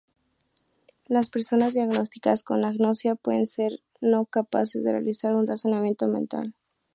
Las personas diagnosticadas con agnosia pueden no ser capaces de realizar un razonamiento mental.